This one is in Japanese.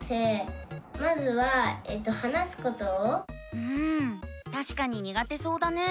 うんたしかににがてそうだね。